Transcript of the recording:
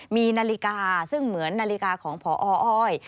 มีนาฬิกาซึ่งเหมือนนาฬิกาของพออ้อย